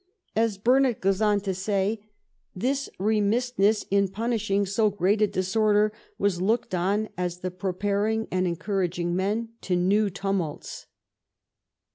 As Burnet goes on to say, ^' this remissness in punish ing so great a disorder was looked on as the preparing and encouraging men to new tumults."